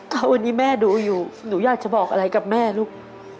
ถ้าวันนี้แม่ดูอยู่หนูอยากจะบอกอะไรกับแม่ลูก